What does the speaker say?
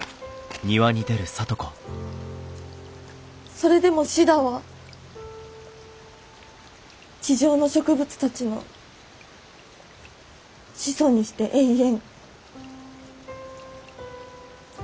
それでもシダは地上の植物たちの始祖にして永遠。